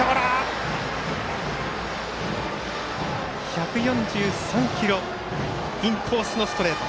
１４３キロインコースのストレート。